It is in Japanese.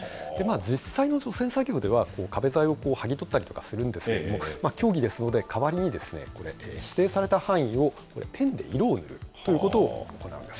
実際の除染作業では、壁材を剥ぎ取ったりとかするんですけれども、競技ですので、代わりにですね、これ、指定された範囲をペンで色を塗るということを行うんです。